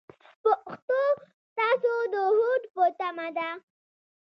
پښتو ستاسو د هوډ په تمه ده.